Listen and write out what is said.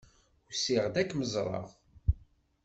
Usiɣ-d ad kem-ẓreɣ.